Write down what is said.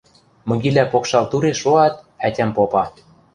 Мыгилӓ покшал туре шоат, ӓтям попа: